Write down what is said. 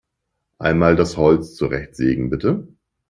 Einmal das Holz zurechtsägen, bitte!